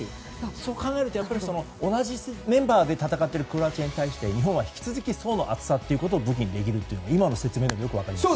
そう考えると同じメンバーで戦っているクロアチアに対して日本は引き続き、層の厚さを武器にできるというのは今の説明でよく分かりました。